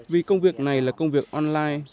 vì công việc này là công việc online